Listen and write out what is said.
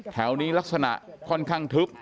แถวนี้ลักษณะค่อนข้างทึบ